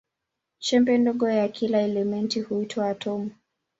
Chembe ndogo ya kila elementi huitwa atomu.